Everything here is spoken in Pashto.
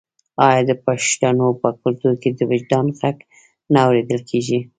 آیا د پښتنو په کلتور کې د وجدان غږ نه اوریدل کیږي؟